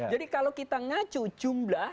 jadi kalau kita ngacu jumlah